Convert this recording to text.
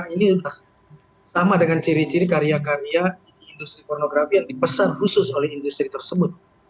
ini sudah sama dengan ciri ciri karya karya industri pornografi yang dipesan khusus oleh industri tersebut